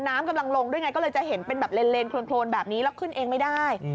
น้ำกำลังลงด้วยไงก็เลยจะเห็นเป็นแบบเลนโครนแบบนี้แล้วขึ้นเองไม่ได้